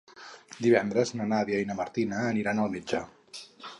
Divendres na Nàdia i na Martina aniran al metge.